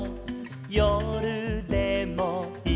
「よるでもいるよ」